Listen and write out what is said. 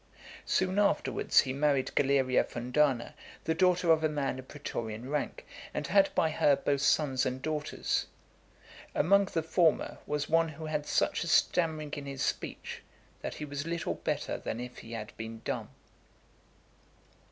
Soon afterwards, he married Galeria Fundana, the daughter of a man of pretorian rank, and had by her both sons and daughters. Among the former was one who had such a stammering in his speech, that he was little better than if he had been dumb.